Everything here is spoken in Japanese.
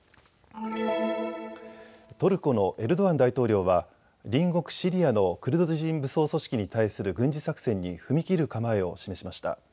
トルコのエルドアン大統領は隣国シリアのクルド人武装組織に対する軍事作戦に踏み切る構えを示しました。